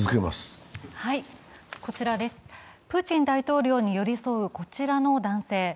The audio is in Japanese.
プーチン大統領に寄り添うこちらの男性。